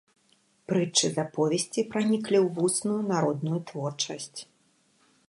Прытчы з аповесці праніклі ў вусную народную творчасць.